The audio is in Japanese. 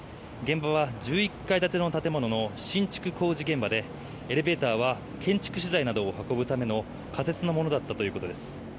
現場は１１階建ての建物の新築工事現場でエレベーターは建築資材などを運ぶための仮設のものだったということです。